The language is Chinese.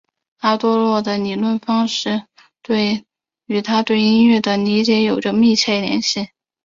阿多诺的理论方法与他对音乐的理解有着密切联系。